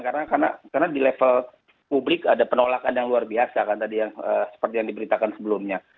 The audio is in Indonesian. karena di level publik ada penolakan yang luar biasa kan tadi yang seperti yang diberitakan sebelumnya